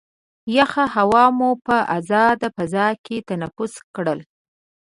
یخه هوا مو په ازاده فضا کې تنفس کړل.